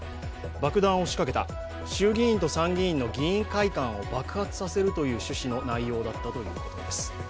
爆弾を仕掛けた、衆議院と参議院の議員会館を爆発させるという趣旨の内容だったということです。